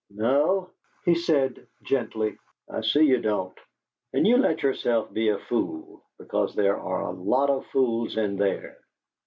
"No," he said, gently, "I see you don't. And you let yourself be a fool because there are a lot of fools in there."